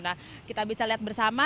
nah kita bisa lihat bersama